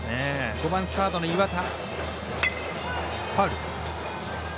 ５番サードの岩田。